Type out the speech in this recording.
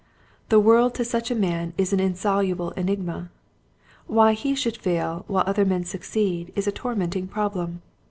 The world to such a man is an insoluble enigma. Why he should fail while other men suc ceed is a tormenting problem.